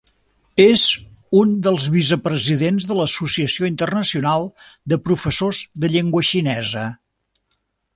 És un dels vicepresidents de l'Associació Internacional de Professors de Llengua Xinesa.